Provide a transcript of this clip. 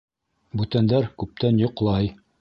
Бүтәндәр күптән йоҡлай.